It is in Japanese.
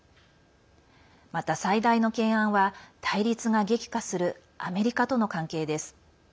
また、最大の懸案は対立が激化するアメリカとの関係です。